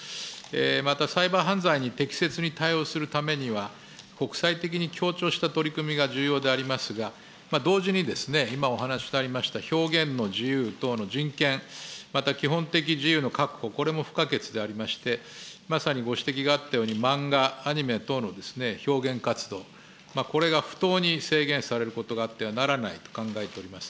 また、サイバー犯罪に適切に対応するためには国際的に強調した取り組みが重要でありますが、同時に今お話にありました表現の自由等の人権、また基本的自由の確保、これも不可欠でありまして、まさにご指摘があったように、漫画、アニメ等の表現活動、これが不当に制限されることがあってはならないと考えております。